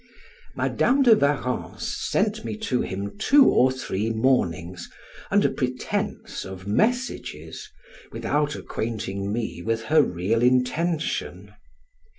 Madam de Warrens sent me to him two or three mornings, under pretense of messages, without acquainting me with her real intention.